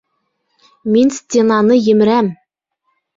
Мин стенаны емерәм!